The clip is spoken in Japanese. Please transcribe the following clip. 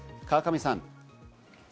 川上さん。